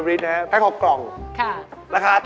รสสวาน